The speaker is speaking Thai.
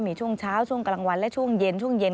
มีช่วงเช้าช่วงกลางวัลและช่วงเย็น